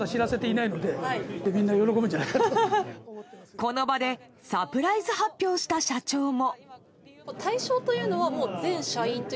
この場でサプライズ発表した社長も。